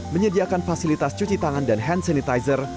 menyediakan fasilitas cuci tangan dan hand sanitizer